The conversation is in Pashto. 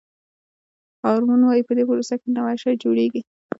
هارمون وایي په دې پروسه کې نوی شی جوړیږي.